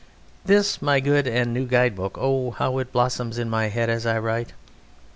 This my good and new guide book (oh, how it blossoms in my head as I write!)